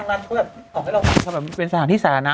ทางนั้นเพิ่มขอให้เราฟังถ้าแบบเป็นสถานที่สาธารณะ